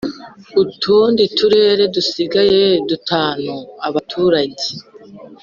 Utundi turere dusigaye dutanu abaturage